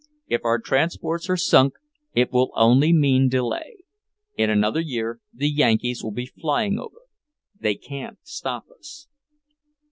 If our transports are sunk, it will only mean delay. In another year the Yankees will be flying over. They can't stop us."